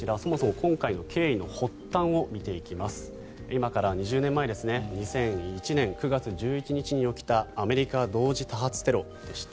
今から２０年前２００１年９月１１日に起きたアメリカ同時多発テロでした。